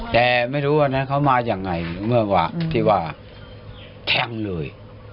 แต่ไม่รู้ว่าเขามายังไงเมื่อที่ว่าแทงเลย